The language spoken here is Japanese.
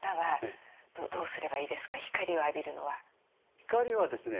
光はですね